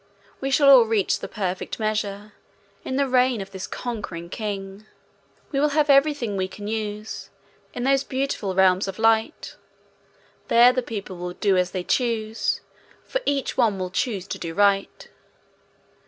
We shall all reach the perfect measure, In the reign of this conquering King. We will have everything we can use, In those beautiful realms of light; There the people will do as they choose, For each one will choose to do right.